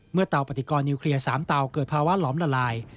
เตาปฏิกรนิวเคลียร์๓เตาเกิดภาวะหลอมละลาย